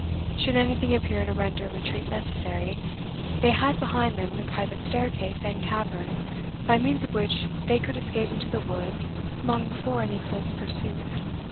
Should anything appear to render retreat necessary, they had behind them the private stair case and cavern, by means of which they could escape into the wood long before any danger of close pursuit.